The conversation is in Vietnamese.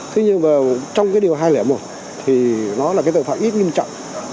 thế nhưng mà trong cái điều hai trăm linh một thì nó là cái tội phạm ít nghiêm trọng